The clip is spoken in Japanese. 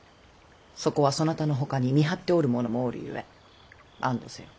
そこはそなたのほかに見張っておるものもおるゆえ安堵せよ。